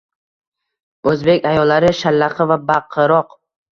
Oʻzbek ayollari shallaqi va baqiroq.